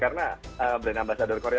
karena brand ambasador korea ini